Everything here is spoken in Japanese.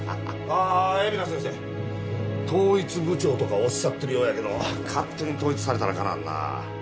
ああ海老名先生統一部長とかおっしゃってるようやけど勝手に統一されたらかなわんな。